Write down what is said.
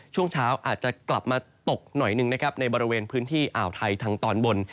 ช่วงเช้าอาจจะกลับมาตกหน่อยหนึ่งนะครับในบริเวณพื้นที่อ่าวไทยทางตอนบน